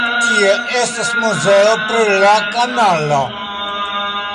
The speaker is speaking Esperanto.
Tie estas muzeo pri la kanalo.